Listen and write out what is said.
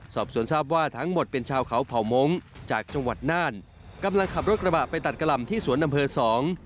สอบสวนทราบว่าทั้งหมดเป็นชาวเขาเผ่ามงค์จากจังหวัดน่านกำลังขับรถกระบะไปตัดกะหล่ำที่สวนอำเภอสอง